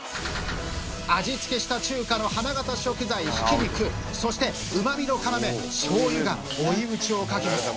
味付けした中華の花形食材ひき肉そして旨味の要・しょうゆが追い打ちをかけます。